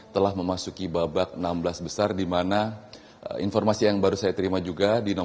telah memasuki babak enam belas besar di mana informasi yang baru saya terima juga